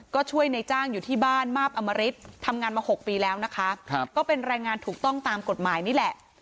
ก็ช่วยในจ้างอยู่ที่บ้านมาบอมริตทำงานมา๖ปีแล้วนะคะก็เป็นแรงงานถูกต้องตามกฎหมายนี่แหละ